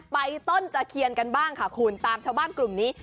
ต้นตะเคียนกันบ้างค่ะคุณตามชาวบ้านกลุ่มนี้